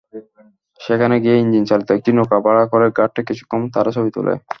সেখানে গিয়ে ইঞ্জিনচালিত একটি নৌকা ভাড়া করে ঘাটে কিছুক্ষণ তারা ছবি তুলে।